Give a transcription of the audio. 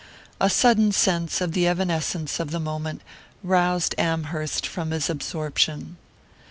A sudden sense of the evanescence of the moment roused Amherst from his absorption.